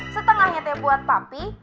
setengahnya teh buat papi